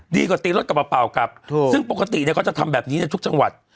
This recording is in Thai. ดีกว่าตีรถกับแผ่วกลับซึ่งปกติเนี่ยก็จะทำแบบนี้นะทุกจังหวัด